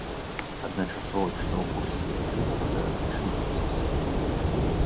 Адначасова чытаў курс лекцый па тэарэтычнай фізіцы.